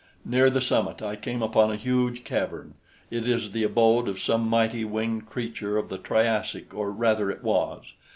Near the summit I came upon a huge cavern. It is the abode of some mighty winged creature of the Triassic or rather it was.